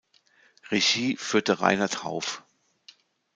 Regie führte Reinhard Hauff.